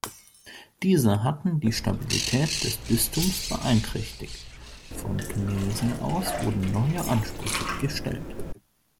Diese hatten die Stabilität des Bistums beeinträchtigt, von Gnesen aus wurden neue Ansprüche gestellt.